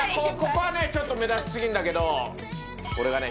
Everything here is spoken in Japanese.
ここはねちょっと目立ちすぎんだけどこれがね